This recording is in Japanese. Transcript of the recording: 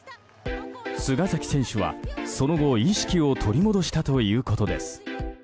菅崎選手は、その後、意識を取り戻したということです。